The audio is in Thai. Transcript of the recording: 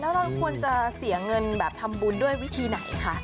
แล้วเราควรจะเสียเงินแบบทำบุญด้วยวิธีไหนคะ